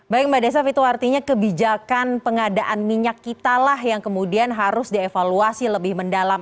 baik mbak desaf itu artinya kebijakan pengadaan minyak kita lah yang kemudian harus dievaluasi lebih mendalam